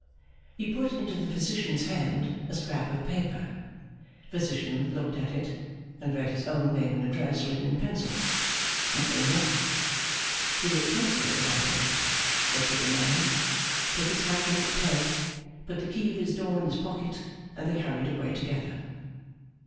He put into the physician's hand a scrap of paper. Physician looked at it, and read his own name and address written in pencil; nothing more. He looked closer at the writing, looked at the man, took his hat from its peg, put the key of his door in his pocket, and they hurried away together.